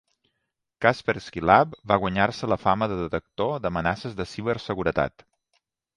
Kaspersky Lab va guanyar-se la fama de detector d'amenaces de ciberseguretat.